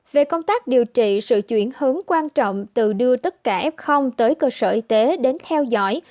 về công tác điều trị sự chuyển hướng quan trọng từ đưa tất cả f tới cơ sở y tế đến theo dõi